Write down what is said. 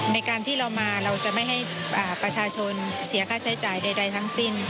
ในการที่เรามาเราจะไม่ให้ประชาชนเสียค่าใช้จ่ายใดทั้งสิ้น